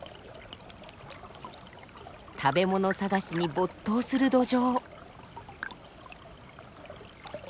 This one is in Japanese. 食べ物探しに没頭するドジョウ。